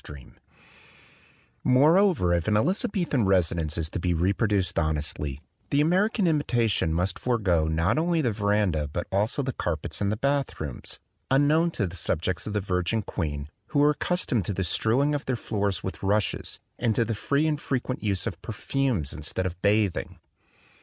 44 THE DWELLING OF A DAY DREAM Moreover, if an Elizabethan residence is to be reproduced honestly, the American imitation must forego not only the veranda but also the carpets and the bath rooms, unknown to the subjects of the Virgin Queen, who were accus tomed to the strewing of their floors with rushes and to the free and frequent use of perfumes instead of bathing.